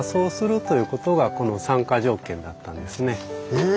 へえ！